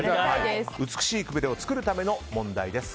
美しいくびれを作るための問題です。